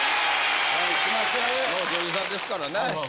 女優さんですからね。